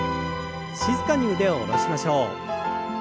静かに腕を下ろしましょう。